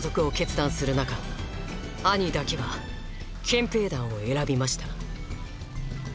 アニだけは憲兵団を選びました